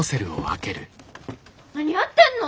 何やってんの！？